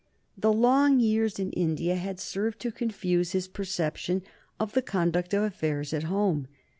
The long years in India had served to confuse his perception of the conduct of affairs at home.